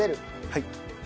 はい。